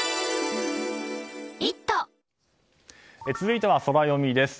続いてはソラよみです。